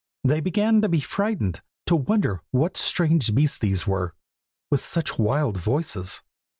They began to be frightened, to wonder what strange beasts these were, with such wild voices.